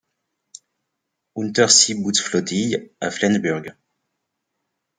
Unterseebootsflottille à Flensburg.